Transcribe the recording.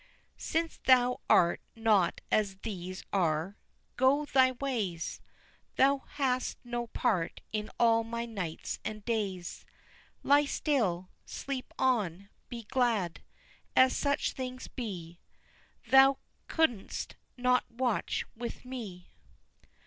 'Since thou art not as these are, go thy ways; Thou hast no part in all my nights and days. Lie still sleep on be glad. As such things be Thou couldst not watch with me."